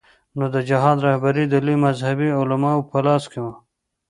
نو د جهاد رهبري د لویو مذهبي علماوو په لاس کې وه.